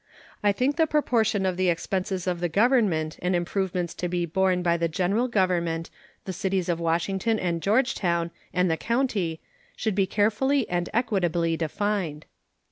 I think the proportion of the expenses of the government and improvements to be borne by the General Government, the cities of Washington and Georgetown, and the county should be carefully and equitably defined.